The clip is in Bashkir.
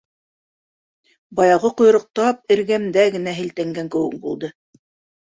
Баяғы ҡойроҡ тап эргәмдә генә һелтәнгән кеүек булды.